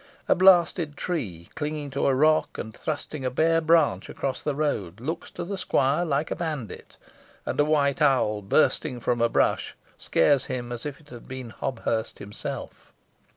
A blasted tree, clinging to a rock, and thrusting a bare branch across the road, looks to the squire like a bandit; and a white owl bursting from a bush, scares him as if it had been Hobthurst himself.